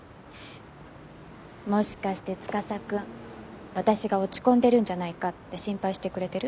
もしかして司くん私が落ち込んでるんじゃないかって心配してくれてる？